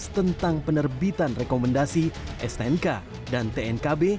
tentang penerbitan rekomendasi stnk dan tnkb